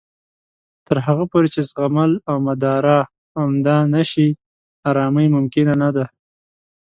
تر هغه پورې چې زغمل او مدارا عمده نه شي، ارامۍ ممکنه نه ده